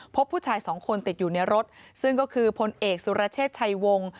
พบผู้ชายสองคนติดอยู่ในรถซึ่งก็คือพลเอกสุรเชษชัยวงศ์